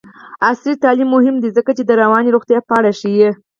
عصري تعلیم مهم دی ځکه چې د رواني روغتیا په اړه ښيي.